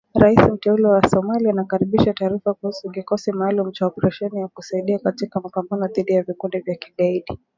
Rais mteule wa Somalia anakaribisha taarifa kuhusu kikosi maalum cha operesheni ya kusaidia katika mapambano dhidi ya vikundi vya kigaidi.